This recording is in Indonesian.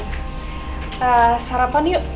eee sarapan yuk